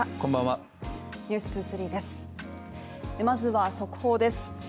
まずは、速報です。